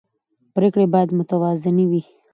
پرېکړې باید متوازنې وي